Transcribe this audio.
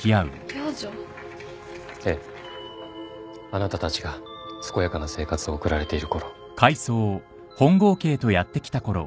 あなたたちが健やかな生活を送られているころ。